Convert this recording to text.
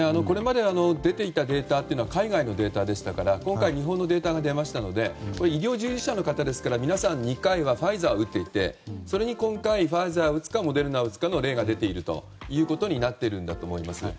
これまで出ていたデータは海外のデータでしたから今回、日本のデータが出ましたので医療従事者の方ですから皆さん、２回はファイザーを打っていてそれに今回、ファイザーを打つかモデルナの打つかの例が出ているということになっているんだと思います。